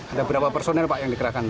ada berapa personel pak yang dikerahkan